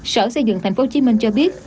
sở xây dựng tp hcm cho biết